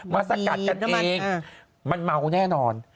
สกัดกันเองมันเมาแน่นอน